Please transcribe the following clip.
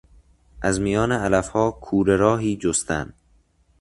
از میان علفها کوره راهی جستن